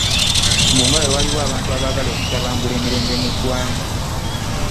Mbu nga bwe waliwo abantu abaagala okutabangula emirembe mu ggwanga